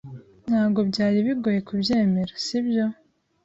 Ntabwo byari bigoye kubyemera, sibyo?